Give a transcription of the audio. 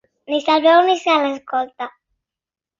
Ni se'l veu ni se l'escolta.